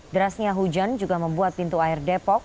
derasnya hujan juga membuat pintu air depok